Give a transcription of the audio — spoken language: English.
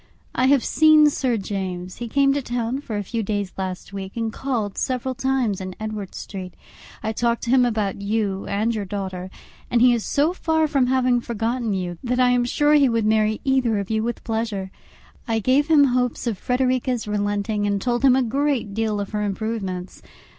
I have seen Sir James; he came to town for a few days last week, and called several times in Edward Street. I talked to him about you and your daughter, and he is so far from having forgotten you, that I am sure he would marry either of you with pleasure. I gave him hopes of Frederica's relenting, and told him a great deal of her improvements.